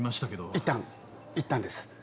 いったんいったんです。